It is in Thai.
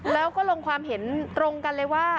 แล้วก็ลงความเห็นตรงกันเลยว่า